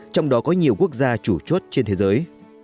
trong đó có nhiều quốc gia chủ chốt trên thế giới